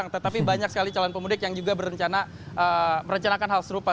tetapi banyak sekali calon pemudik yang juga berencana merencanakan hal serupa